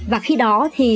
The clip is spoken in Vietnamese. và khi đó